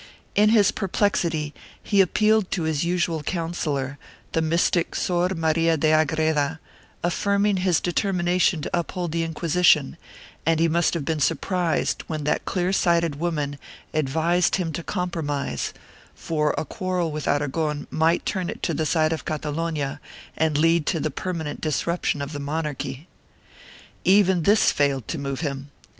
In his perplexity he appealed to his usual counsellor, the mystic Sor Maria de Agreda, affirming his determination to uphold the Inquisition, and he must have been surprised when that clear sighted woman advised him to compromise, for a quarrel with Aragon might turn it to the side of Catalonia and lead to the permanent disruption of the mon archy. Even this failed to move him.